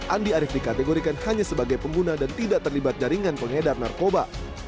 andi arief dikategorikan hanya sebagai pengguna dan tidak terlibat jaringan pengedar narkoba